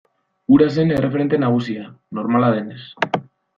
Hura zen erreferente nagusia, normala denez.